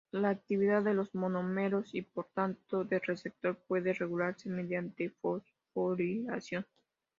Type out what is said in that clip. La actividad de los monómeros y, por tanto, del receptor, puede regularse mediante fosforilación.